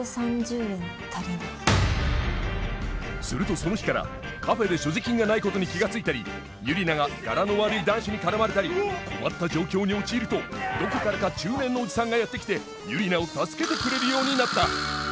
するとその日からカフェで所持金がないことに気が付いたりユリナがガラの悪い男子に絡まれたり困った状況に陥るとどこからか中年のおじさんがやって来てユリナを助けてくれるようになった！